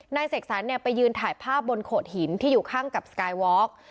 เสกสรรไปยืนถ่ายภาพบนโขดหินที่อยู่ข้างกับสกายวอร์ก